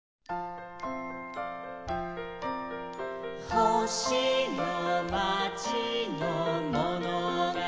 「ほしのまちのものがたりを」